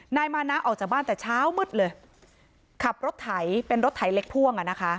นายมานะออกจากบ้านแต่เช้ามืดเลยขับรถไถเป็นรถไถเล็กพ่วงอ่ะนะคะ